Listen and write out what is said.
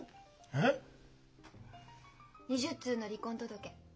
２０通の離婚届。